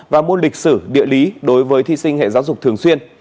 và môn lịch sử địa lý đối với thi sinh hệ giáo dục thường xuyên